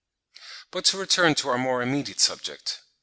But to return to our more immediate subject.